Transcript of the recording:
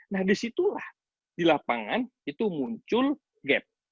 nah disitulah di lapangan itu muncul gap